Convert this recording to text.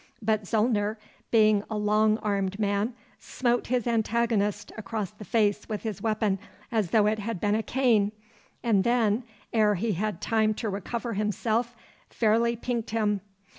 But Zollner, being a long armed man, smote his antagonist across the face with his weapon as though it had been a cane, and then, ere he had time to recover himself, fairly pinked him.